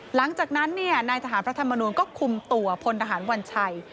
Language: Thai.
หลังจากนั้นนายทหารพระธรรมนูลก็คุมตัวพลทหารวัญชัย